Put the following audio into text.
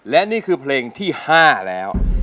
และนี่คือเพลงที่๕แล้ว